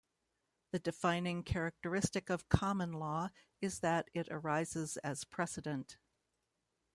The defining characteristic of "common law" is that it arises as precedent.